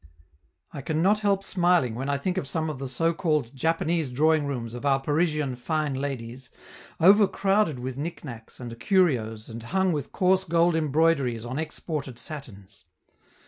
I can not help smiling when I think of some of the so called "Japanese" drawing rooms of our Parisian fine ladies, overcrowded with knickknacks and curios and hung with coarse gold embroideries on exported satins.